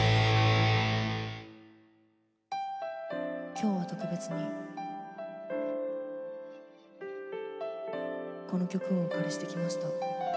今日は特別にこの曲をお借りしてきました。